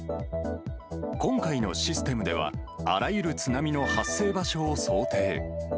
今回のシステムでは、あらゆる津波の発生場所を想定。